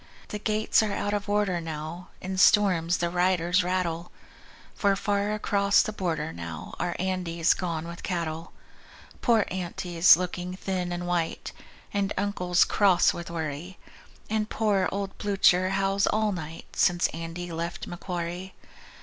The gates are out of order now, In storms the 'riders' rattle; For far across the border now Our Andy's gone with cattle. Poor Aunty's looking thin and white; And Uncle's cross with worry; And poor old Blucher howls all night Since Andy left Macquarie.